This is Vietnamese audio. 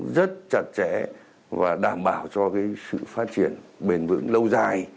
rất chặt chẽ và đảm bảo cho sự phát triển bền vững lâu dài